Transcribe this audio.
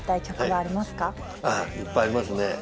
ああいっぱいありますね。